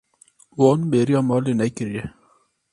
Wan bêriya malê nekiriye.